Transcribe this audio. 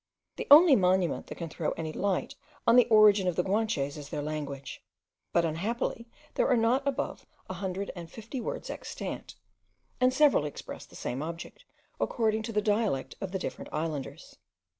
The only monument that can throw any light on the origin of the Guanches is their language; but unhappily there are not above a hundred and fifty words extant, and several express the same object, according to the dialect of the different islanders.